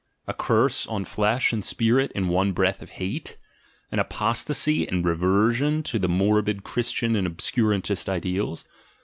A curse on flesh and spirit in one breath of hate? An apostasy and reversion to the morbid Christian and obscurantist ideals?